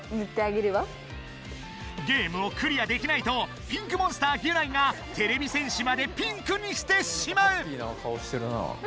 ゲームをクリアできないとピンクモンスターギュナイがてれび戦士までピンクにしてしまう！